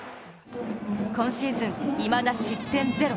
今シーズン、いまだ失点０。